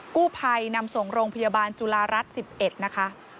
กู้ภัยนำส่งโรงพยาบาลจุฬารัฐ๑๑นะคะ